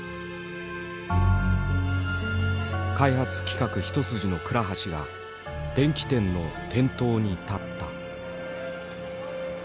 開発企画一筋の倉橋が電器店の店頭に立った。